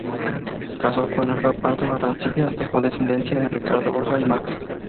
Casó con Olga Pardo Arancibia, dejó descendencia en Ricardo, Olga y Max.